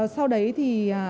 sau đấy thì